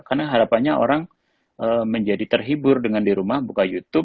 karena harapannya orang menjadi terhibur dengan di rumah buka youtube